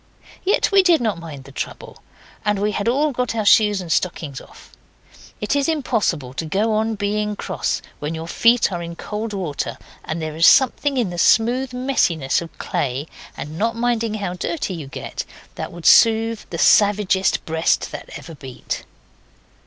Yet we did not mind the trouble. And we had all got our shoes and stockings off. It is impossible to go on being cross when your feet are in cold water; and there is something in the smooth messiness of clay, and not minding how dirty you get, that would soothe the savagest breast that ever beat.